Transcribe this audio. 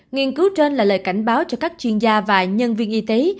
nghiên cứu trên là lời cảnh báo cho các chuyên gia và nhân viên y tế